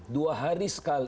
dua hari sekali